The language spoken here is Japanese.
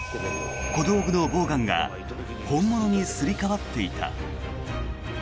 小道具のボウガンが本物にすり替わっていた。